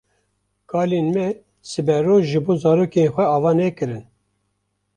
Kalên me siberoj ji bo zarokên xwe ava nekirin.